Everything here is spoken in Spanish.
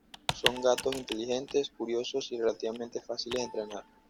Son gatos inteligentes, curiosos, y relativamente fáciles de entrenar.